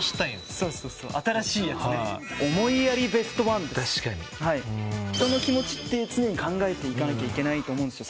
そうそうそう新しいやつね確かにはい人の気持ちって常に考えていかなきゃいけないと思うんすよ